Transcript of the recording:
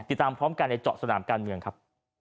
ติดตามพร้อมกันในเจาะสนามการเมืองครับ